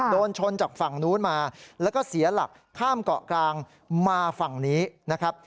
โดนชนจากฝั่งนู้นมาแล้วก็เสียหลักข้ามเกาะกลางมาฝั่งนี้นะครับ